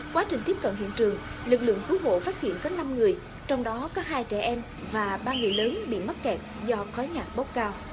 quá trình tiếp cận hiện trường lực lượng cứu hộ phát hiện có năm người trong đó có hai trẻ em và ba người lớn bị mắc kẹt do khói nhạc bốc cao